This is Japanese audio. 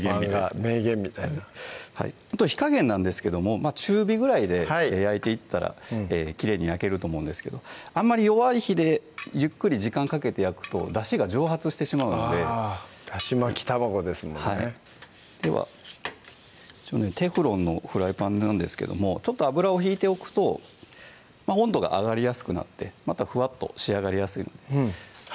名言みたいな火加減なんですけども中火ぐらいで焼いていったらきれいに焼けると思うんですけどあんまり弱い火でゆっくり時間かけて焼くとだしが蒸発してしまうんで「だし巻き玉子」ですもんねでは一応ねテフロンのフライパンなんですけどもちょっと油を引いておくと温度が上がりやすくなってまたふわっと仕上がりやすいのでは